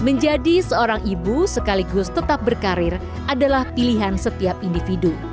menjadi seorang ibu sekaligus tetap berkarir adalah pilihan setiap individu